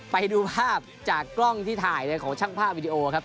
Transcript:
ไปดูภาพจากกล้องที่ถ่ายของช่างภาพวิดีโอครับ